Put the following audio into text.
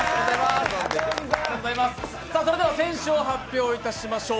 それでは選手を発表いたしましょう。